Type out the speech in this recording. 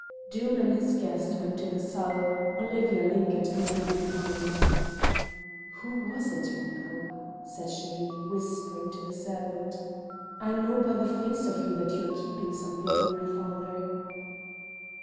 Doom and his guest went to the salle; Olivia lingered a moment behind. "Who was it, Mungo?" said she, whisperingly to the servant. "I know by the face of you that you are keeping something from my father."